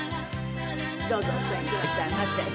どうぞお座りくださいませ。